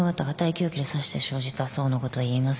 凶器で刺して生じた創のことをいいます。